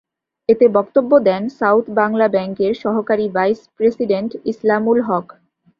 এতে বক্তব্য দেন সাউথ বাংলা ব্যাংকের সহকারী ভাইস প্রেসিডেন্ট ইসলামুল হক।